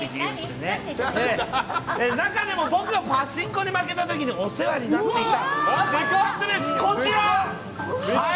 中でも僕がパチンコで負けた時にお世話になっていたカツカツ飯がこちら。